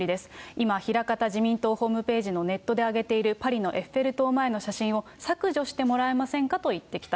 今、ひらかた自民党ホームページのネットで上げている、パリのエッフェル塔前の写真を削除してもらえませんかと言ってきた。